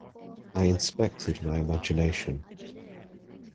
I inspected my imagination.